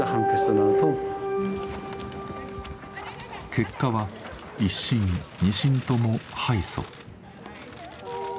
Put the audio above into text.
結果は一審二審とも敗訴。